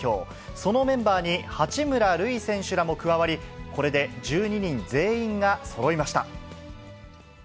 そのメンバーに八村塁選手らも加わり、これで１２人全員がそろいました。